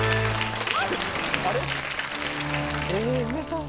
あれ？